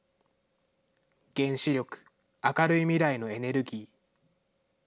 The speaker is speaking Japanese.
原子力明るい未来のエネルギー。